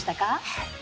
はい。